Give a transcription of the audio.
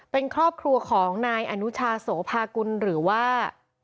เป็นครอบครัวของนายอนุชาโสภากุลหรือว่า